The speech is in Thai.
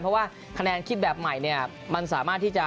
เพราะว่าคะแนนคิดแบบใหม่เนี่ยมันสามารถที่จะ